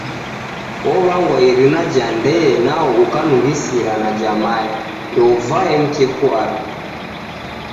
Ow'anga irina ja ndee nao ukanughisira na ja mae. Ndouvaye mkeku wape.